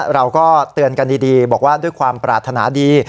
เราก็เตือนกันดีบอกว่าด้วยความปรารถนาดี